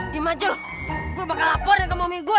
dimajul gue bakal lapor ya kemauin gue